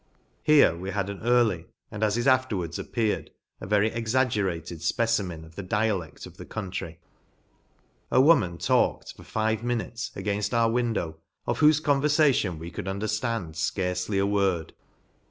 Jlere we had an early and, as it after wards ENGLAND. 203 wards appeared, a very exaggerated fpeci men of the dialed: of the country. A wo ,;',' rj rj man talked, for five minutes, againft our window, of whofe converfation we could, underftand fcarcely a word.